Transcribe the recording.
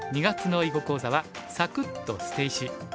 ２月の囲碁講座は「サクッ！と捨て石」。